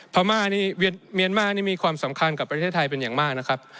พม่านี่เมียนมาร์นี่มีความสำคัญกับประเทศไทยเป็นอย่างมากนะครับ